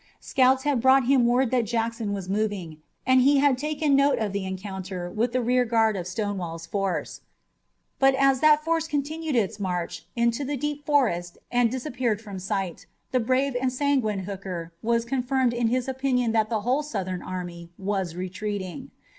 Scouts had brought him word that Jackson was moving, and he had taken note of the encounter with the rearguard of Stonewall's force. But as that force continued its march into the deep forest and disappeared from sight, the brave and sanguine Hooker was confirmed in his opinion that the whole Southern army was retreating.